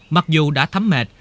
mặc dù đã thấm mệt